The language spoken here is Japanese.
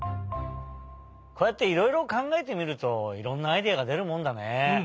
こうやっていろいろかんがえてみるといろんなアイデアがでるもんだね。